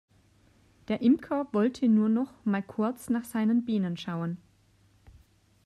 Der Imker wollte nur noch mal kurz nach seinen Bienen schauen.